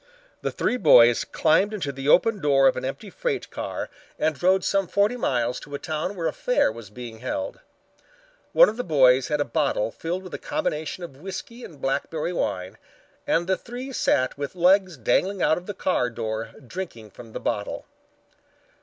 The three boys climbed into the open door of an empty freight car and rode some forty miles to a town where a fair was being held. One of the boys had a bottle filled with a combination of whiskey and blackberry wine, and the three sat with legs dangling out of the car door drinking from the bottle.